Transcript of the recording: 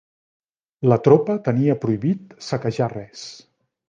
La tropa tenia prohibit saquejar res.